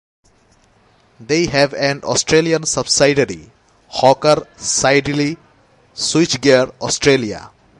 They have an Australian subsidiary, "Hawker Siddeley Switchgear Australia".